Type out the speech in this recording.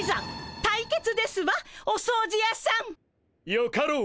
よかろう。